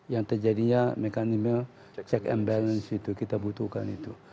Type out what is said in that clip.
yang terjadinya mekanisme check and balance itu kita butuhkan itu